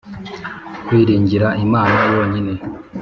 Kwiringira Imana yonyine